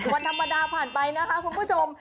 วันธรรมดาผ่านไปนะคะคุณผู้ชม